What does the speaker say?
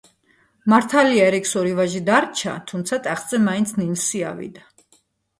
მართალია ერიკს ორი ვაჟი დარჩა, თუმცა ტახტზე მაინც ნილსი ავიდა.